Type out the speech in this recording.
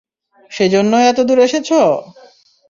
সেজন্যই এতদূর এসেছ!